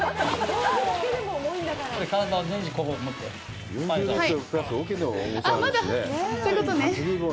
そういうことね？